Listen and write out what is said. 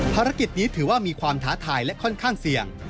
ภารกิจนี้ถือว่ามีความท้าทายและค่อนข้างเสี่ยง